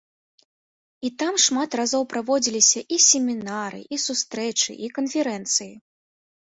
І там шмат разоў праводзіліся і семінары, і сустрэчы, і канферэнцыі.